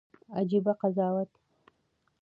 عجيبه قضاوت